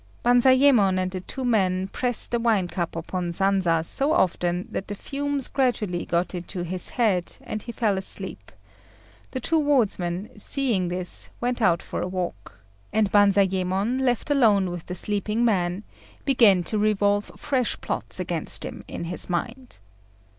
Banzayémon and the two men pressed the wine cup upon Sanza so often that the fumes gradually got into his head and he fell asleep; the two wardsmen, seeing this, went out for a walk, and Banzayémon, left alone with the sleeping man, began to revolve fresh plots against him in his mind.